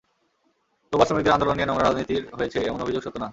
তোবার শ্রমিকদের আন্দোলন নিয়ে নোংরা রাজনীতির হয়েছে, এমন অভিযোগ সত্য না।